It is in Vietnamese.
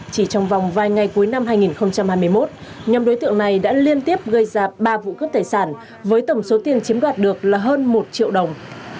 chỉ trong vòng vài ngày cuối năm hai nghìn hai mươi một nhóm đối tượng này đã liên tiếp gây ra ba vụ cướp tài sản với tổng số tiền chiếm đoạt được là hơn một triệu đồng